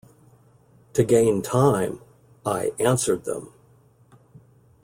To gain time I answered them.